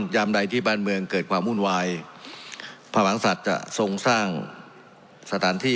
ยามใดที่บ้านเมืองเกิดความวุ่นวายพระมังศัตริย์จะทรงสร้างสถานที่